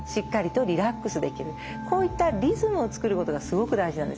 こういったリズムをつくることがすごく大事なんです。